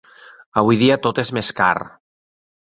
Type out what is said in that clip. Avui dia tot és més car.